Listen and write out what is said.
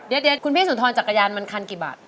เดี๋ยวคุณพี่สุนทรจักรยานมันคันกี่บาท